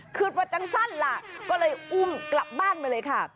หยุดประจังสั้นล่ะก็เลยอุ้มกลับบ้านไปเลยค่ะ